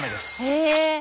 へえ！